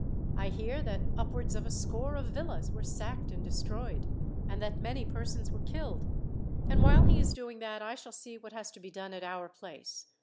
I hear that upwards of a score of villas were sacked and destroyed, and that many persons were killed; and while he is doing that I shall see what has to be done at our place.